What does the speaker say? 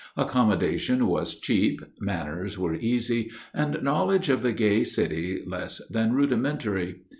Accommodation was cheap, manners were easy, and knowledge of the gay city less than rudimentary.